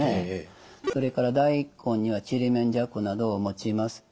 それから大根にはちりめんじゃこなどを用います。